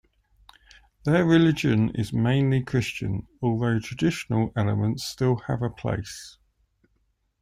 Their religion is mainly Christian although traditional elements still have a place.